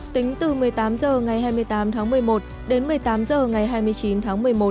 tính từ một mươi tám h ngày hai mươi tám tháng một mươi một đến một mươi tám h ngày hai mươi chín tháng một mươi một